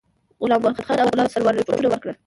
غلام محمدخان او غلام سرور رپوټونه ورکړل.